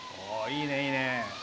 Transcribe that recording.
いいね、いいね！